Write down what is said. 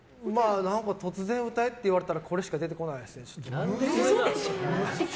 突然歌えって言われたらこれしか出てこないですね。